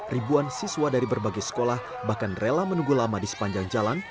ribuan siswa dari berbagai sekolah bahkan rela menunggu lama di sepanjang jalan